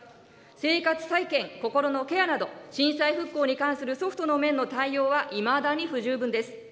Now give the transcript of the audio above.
生活再建、心のケアなど、震災復興に関するソフトの面の対応はいまだに不十分です。